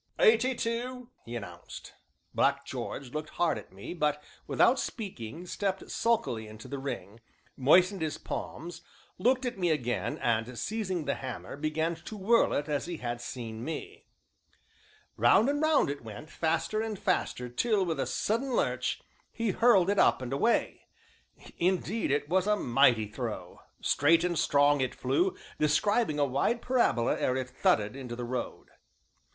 "Eighty two!" he announced. Black George looked hard at me, but, without speaking, stepped sulkily into the ring, moistened his palms, looked at me again, and seizing the hammer, began to whirl it as he had seen me. Round and round it went, faster and faster, till, with a sudden lurch, he hurled it up and away. Indeed it was a mighty throw! Straight and strong it flew, describing a wide parabola ere it thudded into the road.